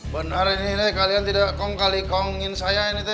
benar ini t kalian tidak kong kali kongin saya ini t ya